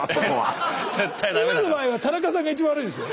今の場合は田中さんが一番悪いですよ。